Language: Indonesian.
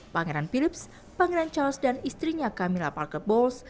pangeran phillips pangeran charles dan istrinya camilla parker bowles